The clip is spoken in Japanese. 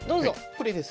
これです。